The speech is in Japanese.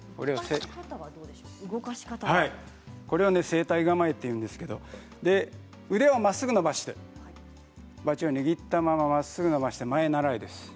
正対構えというんですけれども腕をまっすぐ伸ばしてバチを握ったまままっすぐ伸ばして前ならえです。